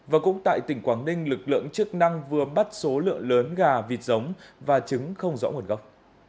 và cũng tại tỉnh quảng ninh lực lượng chức năng vừa bắt số lượng lớn gà vịt giống và trứng không rõ nguồn gốc